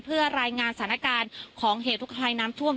เพื่อรายงานสถานการณ์ของเหตุทุกคลายน้ำท่วม